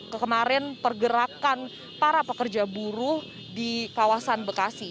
kekemaren pergerakan para pekerja buruh di kawasan bekasi